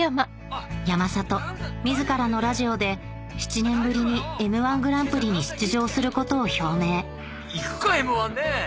山里自らのラジオで７年ぶりに『Ｍ−１グランプリ』に出場することを表明いくか『Ｍ−１』ねぇ。